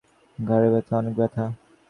আমার মায়ের বুকে অনেক ব্যথা করে।